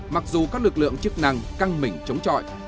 mặc dù các lực lượng chức năng căng mình chống trọi